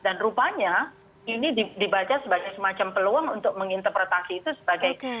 dan rupanya ini dibaca sebagai semacam peluang untuk menginterpretasi itu sebagai